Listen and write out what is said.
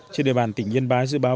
trên địa bàn tỉnh yên bái dự báo